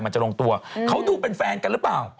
มันจะลงตัวเขาดูเป็นแฟนกันหรือเปล่า